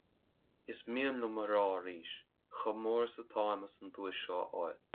Is mian liom a rá arís chomh mór is atáim as an duais seo fháil